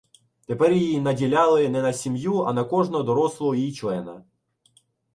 Тепер її наділяли не на сім'ю, а на кожного дорослого її члена.